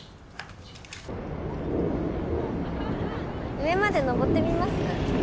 上まで登ってみます？